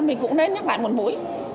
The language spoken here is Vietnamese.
mình cũng nên nhắc lại một mũi